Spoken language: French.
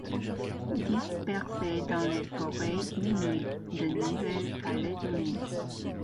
Dispersé dans les forêts humide de Nouvelle-Calédonie.